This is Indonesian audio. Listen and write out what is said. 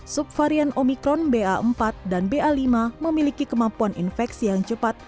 subvarian omikron ba empat dan ba lima memiliki kemampuan infeksi yang cepat